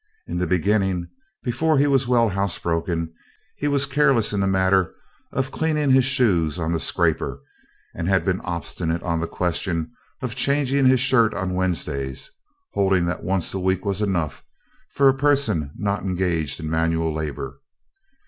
In the beginning, before he was well housebroken, he was careless in the matter of cleaning his soles on the scraper, and had been obstinate on the question of changing his shirt on Wednesdays, holding that once a week was enough for a person not engaged in manual labor.